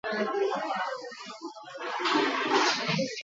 Norbaiten ondasunetan oinarrituta, benetako zerga bat da.